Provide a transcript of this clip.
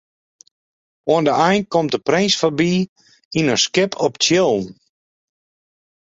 Oan de ein komt de prins foarby yn in skip op tsjillen.